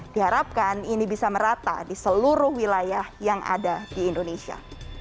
diharapkan ini bisa merata di seluruh wilayah yang ada di indonesia